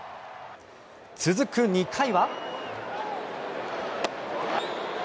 続く２回は。